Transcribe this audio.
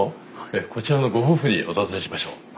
こちらのご夫婦にお尋ねしましょう。